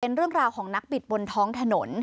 เป็นเรื่องราวของนักบิดบนท้องถนน